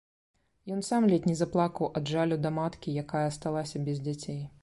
Ён сам ледзь не заплакаў ад жалю да маткі, якая асталася без дзяцей.